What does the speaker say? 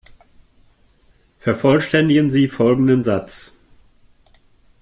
Vervollständigen Sie folgenden Satz.